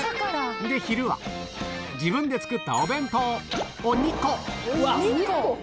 で、昼は、自分で作ったお弁当を２個。